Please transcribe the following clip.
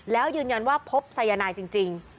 แล้วยืนยันว่าพบสายนายจริง